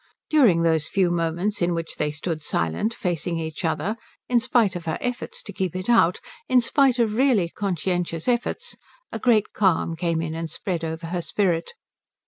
During those few moments in which they stood silent, facing each other, in spite of her efforts to keep it out, in spite of really conscientious efforts, a great calm came in and spread over her spirit.